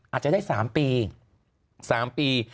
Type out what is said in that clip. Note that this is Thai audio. อาจจะได้๓ปี